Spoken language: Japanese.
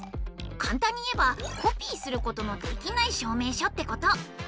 かんたんに言えばコピーすることのできない証明書ってこと。